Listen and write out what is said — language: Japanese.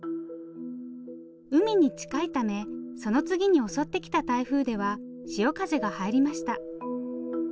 海に近いためその次に襲ってきた台風では潮風が入りました。